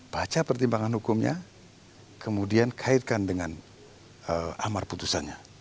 baca pertimbangan hukumnya kemudian kaitkan dengan amar putusannya